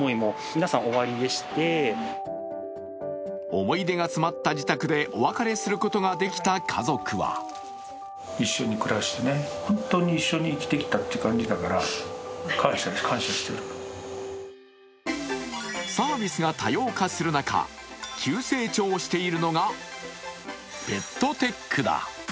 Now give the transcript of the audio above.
思い出が詰まった自宅でお別れすることができた家族はサービスが多様化する中、急成長しているのがペットテックだ。